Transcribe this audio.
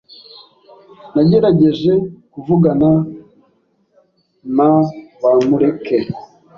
Nagerageje kuvugana na Bamureke.